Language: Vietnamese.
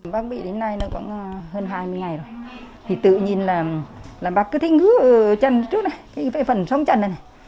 bác bị đến nay nó còn hơn hai mươi ngày rồi thì tự nhìn là bác cứ thấy ngứa ở chân trước này cái vệ phần sống chân này này